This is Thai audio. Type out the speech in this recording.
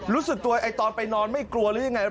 รู้สึกตัวไอ้ตอนไปนอนไม่กลัวหรือยังไง